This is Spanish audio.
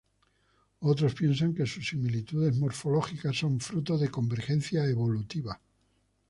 Otros piensan que sus similitudes morfológicas son fruto de convergencia evolutiva.